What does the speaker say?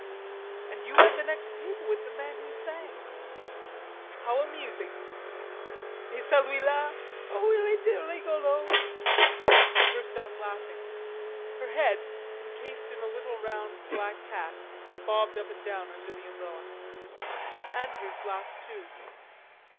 "And you were at the next table with the man who sang?" "How amusing!" "Et celui la! O il etait rigolo...." She burst out laughing; her head, encased in a little round black hat, bobbed up and down under the umbrella. Andrews laughed too.